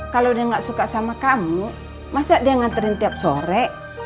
kalau dia nggak suka sama kamu masa dia nganterin tiap sore